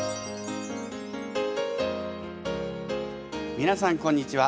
皆さんこんにちは。